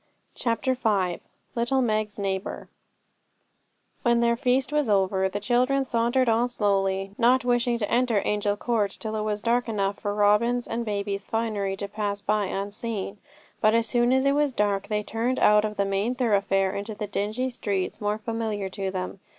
CHAPTER V Little Meg's Neighbour When their feast was over, the children sauntered on slowly, not wishing to enter Angel Court till it was dark enough for Robin's and baby's finery to pass by unseen; but as soon as it was dark they turned out of the main thoroughfare into the dingy streets more familiar to them.